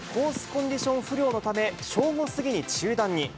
コンディション不良のため、正午過ぎに中断に。